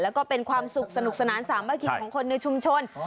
แล้วก็เป็นความสุขสนุกสนานสามัคคีของคนในชุมชน